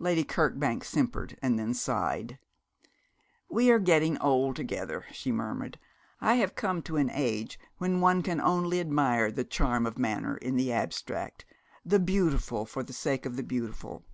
Lady Kirkbank simpered, and then sighed. 'We are getting old together,' she murmured. 'I have come to an age when one can only admire the charm of manner in the abstract the Beautiful for the sake of the Beautiful.